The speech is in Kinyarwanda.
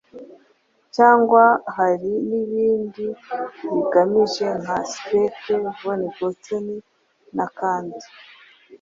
cyangwa hari ibindi bagamije: nka Speke, von Gotzen na Kandt.